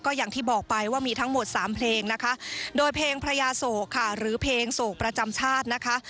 อย่างที่บอกไปว่ามีทั้งหมดสามเพลงนะคะโดยเพลงพระยาโศกค่ะหรือเพลงโศกประจำชาตินะคะ